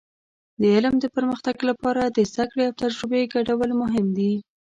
د علم د پرمختګ لپاره د زده کړې او تجربې ګډول مهم دي.